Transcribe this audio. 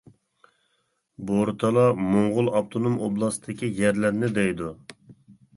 بورتالا موڭغۇل ئاپتونوم ئوبلاستىدىكى يەرلەرنى دەيدۇ.